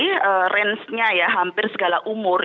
jadi rangenya ya hampir segala umur